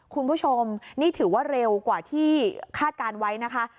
คุณผู้ชมนี่ถือว่าเร็วกว่าที่คาดการณ์ไว้นะคะ